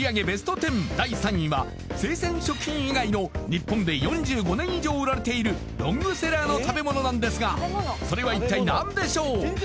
ベスト１０第３位は生鮮食品以外の日本で４５年以上売られているロングセラーの食べ物なんですがそれは一体何でしょう？